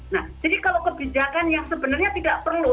nah jadi kalau kebijakan yang sebenarnya tidak perlu